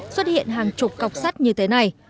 xuất hiện hàng chục cọc sắt như thế này